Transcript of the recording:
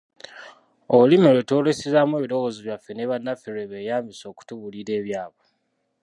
Olulimi lwe twolesezaamu ebirowoozo byaffe ne bannaffe lwe beeyambisa okutubuulira ebyabwe?